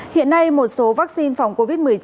hiện nay một số vaccine phòng covid một mươi chín